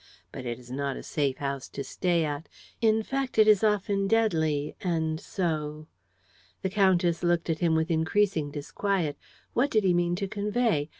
... But it is not a safe house to stay at; in fact, it is often deadly; and so ..." The countess looked at him with increasing disquiet. What did he mean to convey?